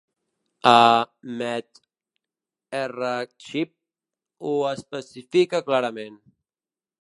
A «MedRxiv» ho especifica clarament.